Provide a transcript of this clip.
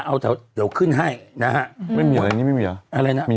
เอาถ่อเดี๋ยวขึ้นให้นะฮะ